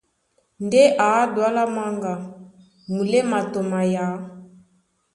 Ndé ǎ Dualá Manga, muléma tɔ mayǎ.